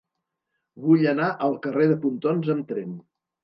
Vull anar al carrer de Pontons amb tren.